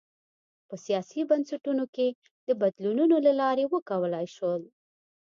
په سیاسي بنسټونو کې د بدلونونو له لارې وکولای شول.